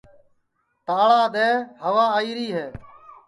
تاݪا دؔے ہوا آئیری ہے